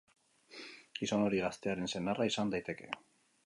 Gizon hori gaztearen senarra izan daiteke.